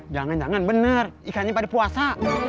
jangan jangan benar ikannya pada puasa